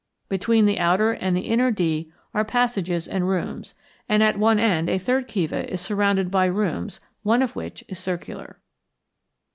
Between the outer and the inner D are passages and rooms, and at one end a third kiva is surrounded by rooms, one of which is circular.